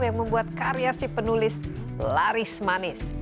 yang membuat karyasi penulis laris manis